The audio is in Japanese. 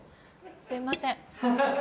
すいません。